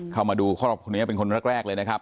เข้ามาดูครอบครัวนี้เป็นคนแรกเลยนะครับ